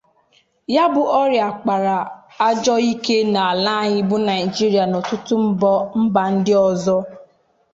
ya bụ ọrịa kpara ajọ ike n'ala anyị bụ Naijiria na ọtụtụ mba ndị ọzọ